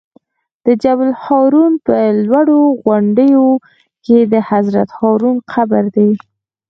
د جبل الهارون په لوړو غونډیو کې د حضرت هارون قبر دی.